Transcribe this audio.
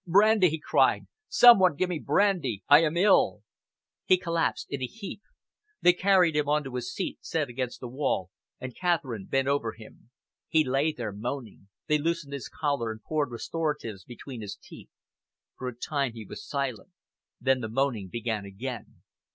"Brandy!" he cried. "Some one give me brandy! I am ill!" He collapsed in a heap. They carried him on to a seat set against the wall, and Catherine bent over him. He lay there, moaning. They loosened his collar and poured restoratives between his teeth. For a time he was silent. Then the moaning began again.